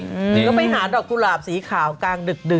หรือไปหาดอกกุหลาบสีขาวกลางดึก